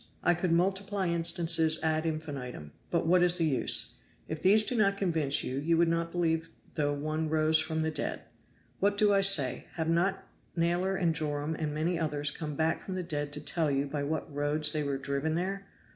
I could multiply instances ad infinitum but what is the use? If these do not convince you you would not believe though one rose from the dead. What do I say? Have not Naylor and Joram and many others come back from the dead to tell you by what roads they were driven there?